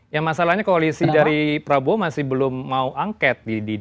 yang masalahnya koalisi dari prabowo masih belum mau angket di dpr